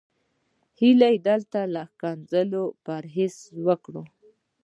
هيله ده له ښکنځلو پرهېز وکړو.